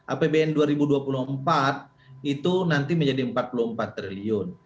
apbn dua ribu dua puluh empat itu nanti menjadi rp empat puluh empat triliun